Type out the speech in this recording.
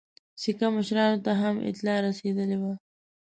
سیکه مشرانو ته هم اطلاع رسېدلې وه.